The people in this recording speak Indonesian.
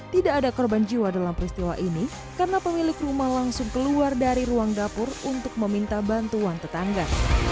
tidak ada korban jiwa dalam peristiwa ini karena pemilik rumah langsung keluar dari ruang dapur untuk meminta bantuan tetangga